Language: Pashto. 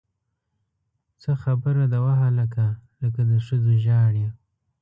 څه خبره ده وهلکه! لکه د ښځو ژاړې!